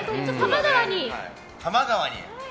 多摩川に。